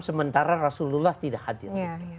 sementara rasulullah tidak hadir